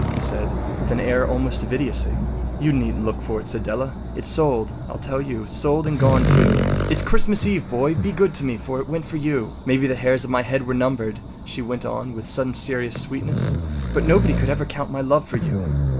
” he said, with an air almost of idiocy. “You needn’t look for it,” said Della. “It’s sold, I tell you—sold and gone, too. It’s Christmas Eve, boy. Be good to me, for it went for you. Maybe the hairs of my head were numbered,” she went on with sudden serious sweetness, “but nobody could ever count my love for you.